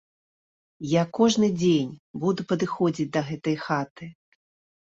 Я кожны дзень буду падыходзіць да гэтай хаты.